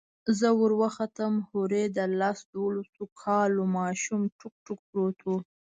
زه وروختم هورې د لس دولسو كالو ماشوم ټوك ټوك پروت و.